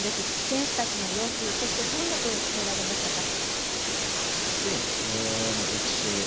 選手たちの様子、そしてどんな声をかけられましたか。